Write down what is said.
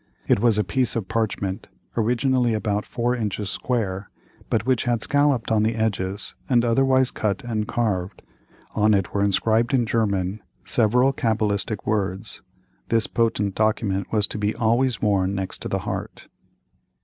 It was a piece of parchment, originally about four inches square, but which had been scalloped on the edges, and otherwise cut and carved; on it were inscribed in German, several cabalistic words; this potent document was to be always worn next the heart.